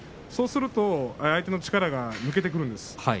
そうすると相手の力が抜けてくるんです。